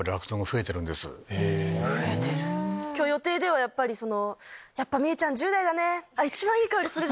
今日予定では「やっぱ望結ちゃん１０代だね」。